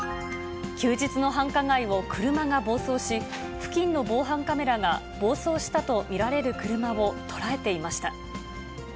休日の繁華街を車が暴走し、付近の防犯カメラが暴走したと見られる車を捉えていました。